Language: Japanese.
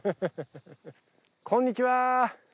こんにちは。